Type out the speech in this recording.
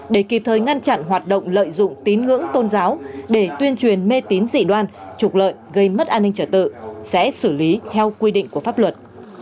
để kịp thời ngăn chặn hoạt động lợi dụng tín ngưỡng tôn giáo để tuyên truyền mê tín dị đoan trục lợi gây mất an ninh trở tự sẽ xử lý theo quy định của pháp luật